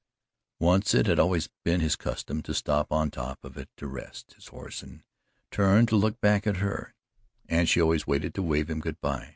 Once it had always been his custom to stop on top of it to rest his horse and turn to look back at her, and she always waited to wave him good by.